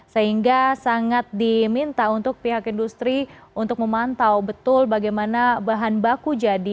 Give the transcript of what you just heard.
sehingga sangat diminta untuk pihak industri untuk memantau betul bagaimana bahan baku jadi